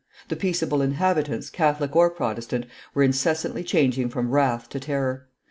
The peaceable inhabitants, Catholic or Protestant, were incessantly changing from wrath to terror.